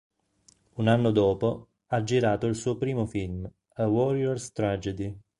Un anno dopo, ha girato il suo primo film, "A Warrior's Tragedy".